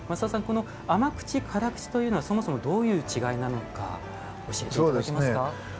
この甘口辛口というのはそもそもどういう違いなのか教えて頂けますか。